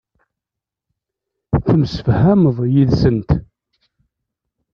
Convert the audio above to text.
Temsefhameḍ yid-sent.